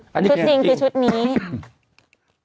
ชุดจริงคือชุดนี้